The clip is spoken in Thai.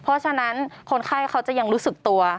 เพราะฉะนั้นคนไข้เขาจะยังรู้สึกตัว